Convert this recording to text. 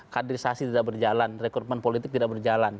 kaderisasi tidak berjalan rekrutmen politik tidak berjalan